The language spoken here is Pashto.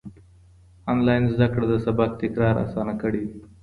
انلاين زده کړه د سبق تکرار اسانه کړی دی.